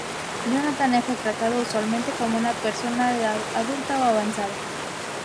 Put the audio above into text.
Jonathan es retratado usualmente como una persona de edad adulta o avanzada.